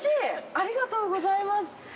ありがとうございます！